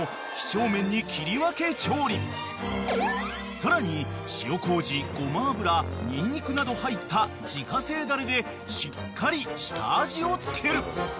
［さらに塩麹ごま油ニンニクなど入った自家製ダレでしっかり下味をつける］